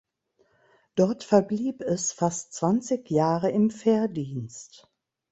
Dort verblieb es fast zwanzig Jahre im Fährdienst.